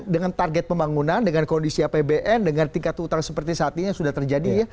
dengan target pembangunan dengan kondisi apbn dengan tingkat utang seperti saat ini yang sudah terjadi ya